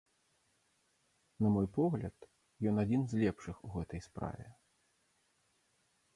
На мой погляд, ён адзін з лепшых у гэтай справе.